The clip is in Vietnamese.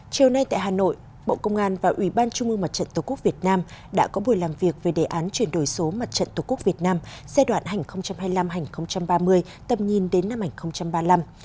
chiều nay tại hà nội bộ công an và ủy ban trung mương mặt trận tổ quốc việt nam đã có buổi làm việc về đề án chuyển đổi số mặt trận tổ quốc việt nam giai đoạn hành hai mươi năm hai nghìn ba mươi tầm nhìn đến năm hai nghìn ba mươi năm